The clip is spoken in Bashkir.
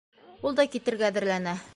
Ул да китергә әҙерләнә.